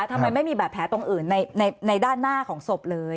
ทำไมไม่มีบาดแผลตรงอื่นในด้านหน้าของศพเลย